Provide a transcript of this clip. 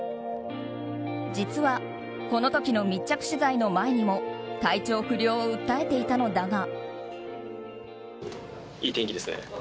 実はこの時の密着取材の前にも体調不良を訴えていたのだが。